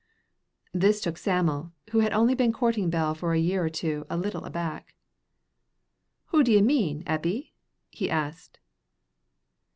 This took Sam'l, who had only been courting Bell for a year or two, a little aback. "Hoo d'ye mean, Eppie?" he asked.